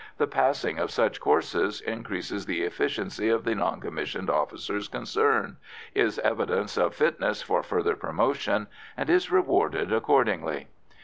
The passing of such courses, increasing the efficiency of the non commissioned officers concerned, is evidence of fitness for further promotion, and is rewarded accordingly.